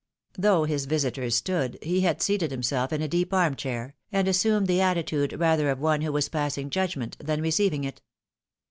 Though his visitors stood, he had seated himself in a deep arm chair, and assumed/ the atti tude rather of one who was passing judgment, than receiving it.